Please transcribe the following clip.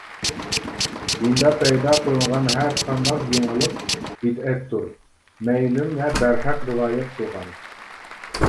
دىندا پەيدا قىلىنغان ھەرقانداق يېڭىلىق بىدئەتتۇر مەيلىم ۋە بەرھەق رىۋايەت قىلغان.